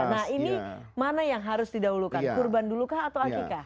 nah ini mana yang harus didahulukan kurban dulu kah atau akikah